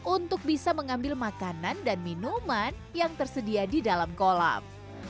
untuk bisa mengambil makanan dan minuman yang tersedia di dalam kolam